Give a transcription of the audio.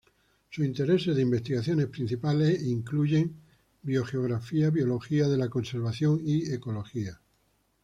Sus intereses de investigaciones principales incluyen biogeografía, biología de la conservación y ecología.